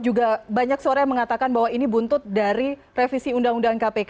juga banyak suara yang mengatakan bahwa ini buntut dari revisi undang undang kpk